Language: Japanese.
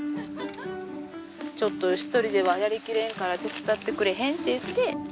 ちょっと１人ではやりきれんから手伝ってくれへん？って言って。